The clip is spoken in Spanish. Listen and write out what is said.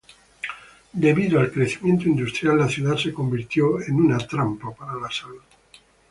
Debido al crecimiento industrial la ciudad se convirtió en una trampa para la salud.